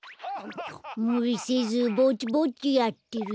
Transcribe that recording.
むりせずぼちぼちやってるよ。